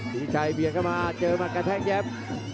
ดีชัยเบียดเข้ามาเจอหมัดกระแทกแยบ